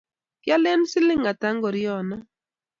Kialen siling' ata ngoryo no?